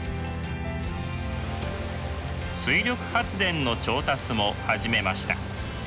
水力発電の調達も始めました。